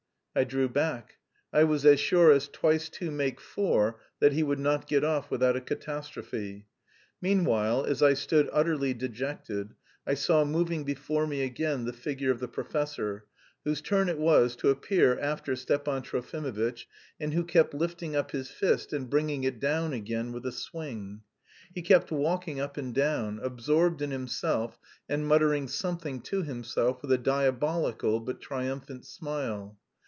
I drew back. I was as sure as twice two make four that he would not get off without a catastrophe. Meanwhile, as I stood utterly dejected, I saw moving before me again the figure of the professor, whose turn it was to appear after Stepan Trofimovitch, and who kept lifting up his fist and bringing it down again with a swing. He kept walking up and down, absorbed in himself and muttering something to himself with a diabolical but triumphant smile.